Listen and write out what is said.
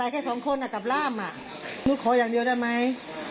คนร้ายนี้